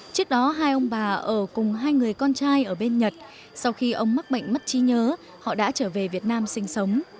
trước đó hai ông bà ở cùng hai người con trai ở bên nhật sau khi ông mắc bệnh mất trí nhớ họ đã trở về việt nam sinh sống